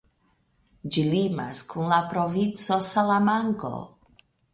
Ĝi limas kun la provinco Salamanko.